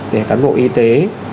để cán bộ y tế